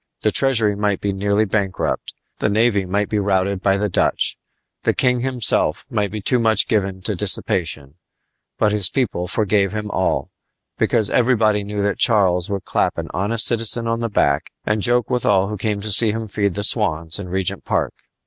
The treasury might be nearly bankrupt; the navy might be routed by the Dutch; the king himself might be too much given to dissipation; but his people forgave him all, because everybody knew that Charles would clap an honest citizen on the back and joke with all who came to see him feed the swans in Regent's Park.